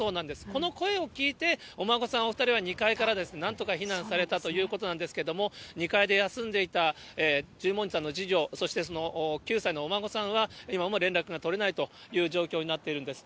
この声を聞いて、お孫さんお２人は２階からなんとか避難されたということなんですけども、２階で休んでいた十文字さんの次女、そして、９歳のお孫さんは、今も連絡が取れないという状況になっているんです。